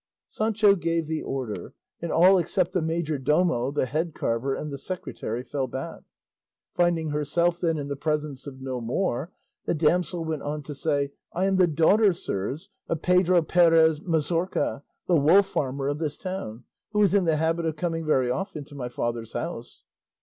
Sancho gave the order, and all except the majordomo, the head carver, and the secretary fell back. Finding herself then in the presence of no more, the damsel went on to say, "I am the daughter, sirs, of Pedro Perez Mazorca, the wool farmer of this town, who is in the habit of coming very often to my father's house."